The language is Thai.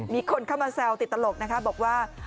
มีคนเข้ามาแซวติดตลกนะคะบอกว่า